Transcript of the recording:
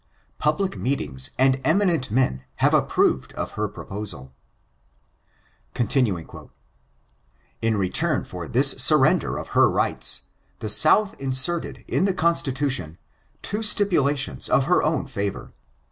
Public meetings and eminent men have approved of her proposal. " 'In return for this surrender of her rights, the South inserted in the Constitution two stipulations in her own . favor.